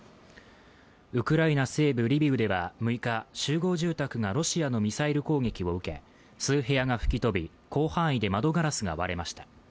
ウクライナ西部リビウでは６日、集合住宅がロシアのミサイル攻撃を受け数部屋が吹き飛び、広範囲で窓ガラスが割れました。